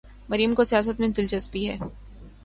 مریم کو سیاست میں دلچسپی ہے۔